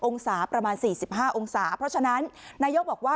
องศาประมาณ๔๕องศาเพราะฉะนั้นนายกบอกว่า